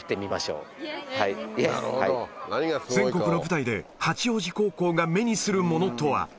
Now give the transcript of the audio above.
全国の舞台で、八王子高校が目にするものとは。